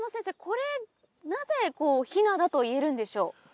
これなぜヒナだといえるんでしょう？